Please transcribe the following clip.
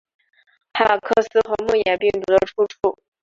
海马克斯和梦魇病毒的出处！